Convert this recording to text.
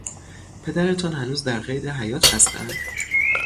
پدرتان هنوز در قید حیات هستند؟